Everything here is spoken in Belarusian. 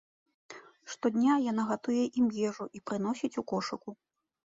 Штодня яна гатуе ім ежу і прыносіць ў кошыку.